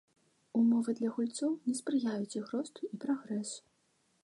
Умовы для гульцоў не спрыяюць іх росту і прагрэсу.